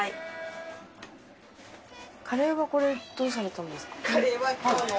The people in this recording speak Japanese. カレーはこれどうされたんですか？